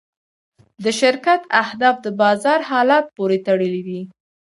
د شرکت اهداف د بازار حالت پورې تړلي دي.